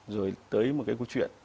rồi tới một cái câu chuyện